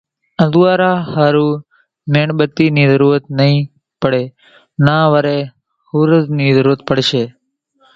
انزوئارا ۿارو ميڻ ٻتي نِي ضرورت نئِي پڙي نا وري ۿورز نِي ضرورت پڙشي۔